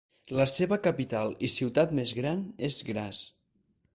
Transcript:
La seva capital i ciutat més gran és Graz.